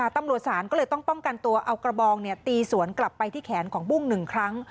ตำรวจศาลก็เลยต้องป้องกันตัวเอากระบองตีสวนกลับไปที่แขนของบุ้ง๑ครั้ง